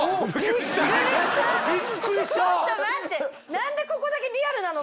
何でここだけリアルなの？